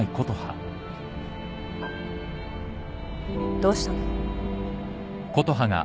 どうしたの？